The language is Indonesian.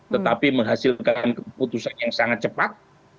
tetapi menghasilkan keputusan yang sangat cepat